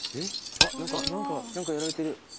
何かやられてる。